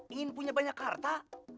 ingin punya banyak karta